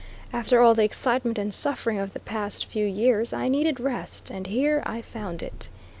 After all the excitement and suffering of the past few years, I needed rest, and here I found it.